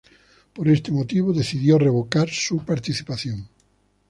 Por este motivo decidió revocar su participación.